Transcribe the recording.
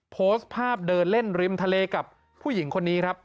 โพสต์ภาพเดินเล่นริมทะเลกับผู้หญิงคนนี้ครับ